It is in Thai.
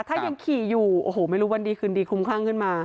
ถ้ายังขี่อยู่โอ้โหไม่รู้วันดีคืนดีคลุมคลั่งขึ้นมา